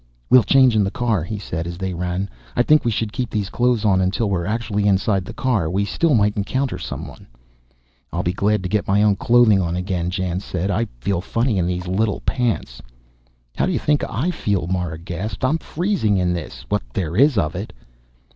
"We'll change in the car," he said as they ran. "I think we should keep these clothes on until we're actually inside the car. We still might encounter someone." "I'll be glad to get my own clothing on again," Jan said. "I feel funny in these little pants." "How do you think I feel?" Mara gasped. "I'm freezing in this, what there is of it."